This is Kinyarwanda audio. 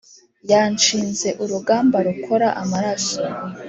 yanshinze urugamba rukora amaraso